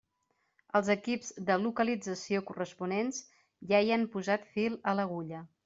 Els equips de localització corresponents ja hi han posat fil a l'agulla.